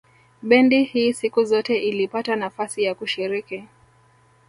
Bendi hii siku zote ilipata nafasi ya kushiriki